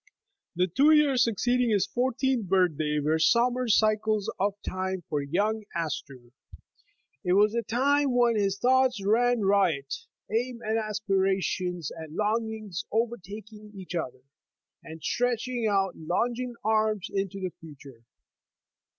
THE two years succeedinor his fourteenth birth day were somber cycles of time for young As tor. It was a time when his thoughts ran riot, aims and aspirations and longings overtaking each other, and stretching out longing arms into the future.